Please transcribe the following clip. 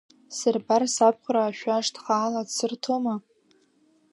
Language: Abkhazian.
Сырбар сабхәраа шәашт, хаала дсырҭома.